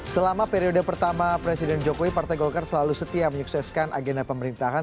selama periode pertama presiden jokowi partai golkar selalu setia menyukseskan agenda pemerintahan